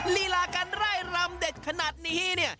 ลีลาการไล่รำเด็ดขนาดนี้เนี่ย